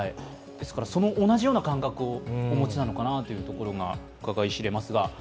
その同じような感覚をお持ちなのかなということがうかがいしれますが。